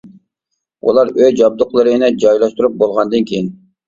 ئۇلار ئۆي جابدۇقلىرىنى جايلاشتۇرۇپ بولغاندىن كېيىن.